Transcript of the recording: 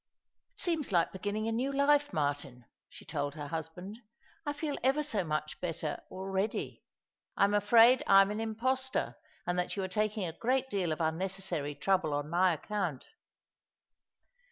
" It seems like beginning a new life, Martin," she told her husband. "I feel ever so much better already. I'm afraid I'm an impostor, and that you are taking a great deal of unnecessary trouble on my account."